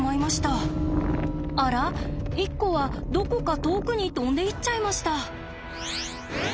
あら１個はどこか遠くに飛んでいっちゃいました。